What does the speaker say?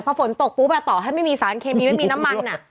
พอฝนตกปุ๊บต่อให้ไม่มีสารเคมีไม่มีน้ำมัน